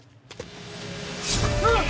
うわっ！